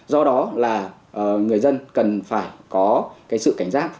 do đó là người dân cần phải có cái sự cảnh giác